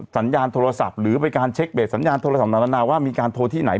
สัญญาณโทรศัพท์หรือไปการเช็คเบสสัญญาณโทรศัพท์ต่างนานาว่ามีการโทรที่ไหน